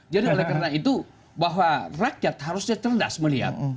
jadi oleh karena itu bahwa rakyat harusnya cerdas melihat